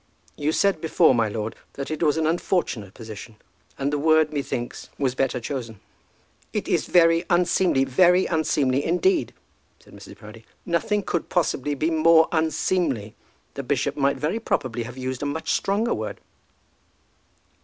"You said before, my lord, that it was an unfortunate position, and the word, methinks, was better chosen." "It is very unseemly, very unseemly indeed," said Mrs. Proudie; "nothing could possibly be more unseemly. The bishop might very properly have used a much stronger word."